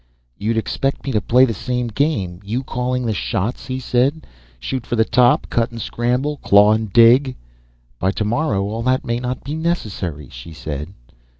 "You'd expect me to play the same game, you calling the shots," he said. "Shoot for the top, cut and scramble, claw and dig." "By tomorrow all that may not be necessary," she said.